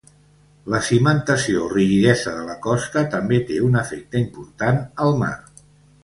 La cimentació o rigidesa de la costa també té un efecte important al mar.